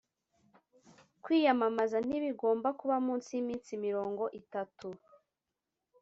kwiyamamaza ntibigomba kuba munsi y iminsi mirongo itatu